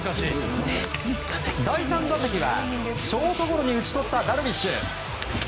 第３打席は、ショートゴロに打ち取ったダルビッシュ。